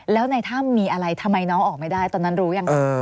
แล้วในถ้ำมีอะไรทำไมน้องออกไม่ได้ตอนนั้นรู้ยังไง